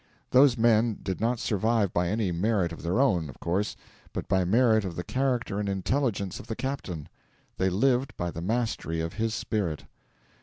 Those men did not survive by any merit of their own, of course, but by merit of the character and intelligence of the captain; they lived by the mastery of his spirit.